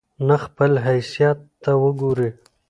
نه خپل حيثت ته وګوري